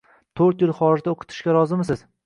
Tort'yil xorijda oʻqitishga rozimisiz?